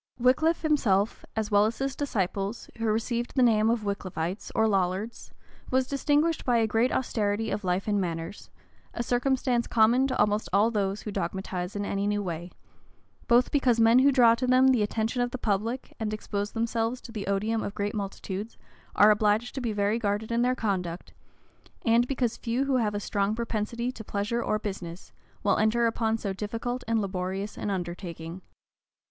Wickliffe himself, as well as his disciples, who received the name of Wickliffites, or Lollards, was distinguished by a great austerity of life and manners; a circumstance common to almost all those who dogmatize in any new way; both because men who draw to them the attention of the public, and expose themselves to the odium of great multitudes, are obliged to be very guarded in their conduct, and because few who have a strong propensity to pleasure or business, will enter upon so difficult and laborious an undertaking.